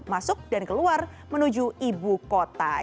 masuk dan keluar menuju ibu kota